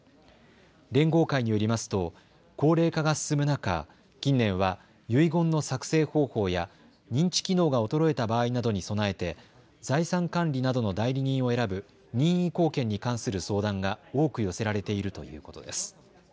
連合会によりますと高齢化が進む中、近年は遺言の作成方法や認知機能が衰えた場合などに備えて財産管理などの代理人を選ぶ任意後見に関する相談が多く寄せられているということです。